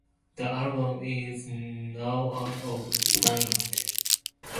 The album is now out of print.